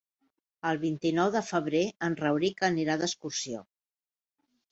El vint-i-nou de febrer en Rauric anirà d'excursió.